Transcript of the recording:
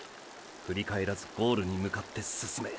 ふり返らずゴールに向かって進め。